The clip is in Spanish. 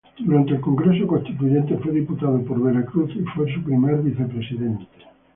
Durante el Congreso Constituyente fue Diputado por Veracruz y fue su primer Vicepresidente.